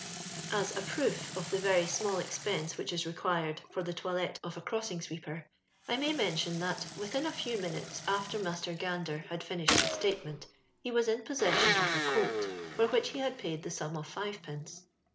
As a proof of the very small expense which is required for the toilette of a crossing sweeper, I may mention, that within a few minutes after Master Gander had Hnisbed his statement, ho was in possession of a coat, for which he had paid the sum of flvepence.